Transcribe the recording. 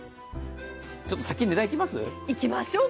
ちょっと先に値段いきます？